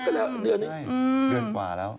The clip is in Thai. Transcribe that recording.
ใช่เดือนกว่าแล้ว